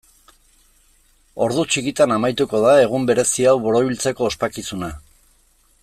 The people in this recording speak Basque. Ordu txikitan amaituko da egun berezi hau borobiltzeko ospakizuna.